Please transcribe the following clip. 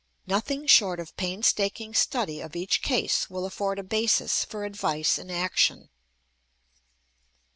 Nothing short of painstaking study of each case will afford a basis for advice and action.